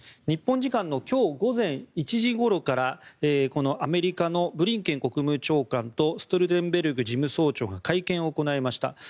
日本時間の今日午前１時ごろからアメリカのブリンケン国務長官とストルテンベルグ事務総長が会見を行いました。